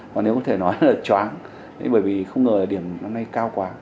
và nếu có thể nói là chóng bởi vì không ngờ là điểm này cao quá